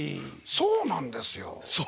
そうなんです。